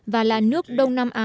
và là nước đông nam á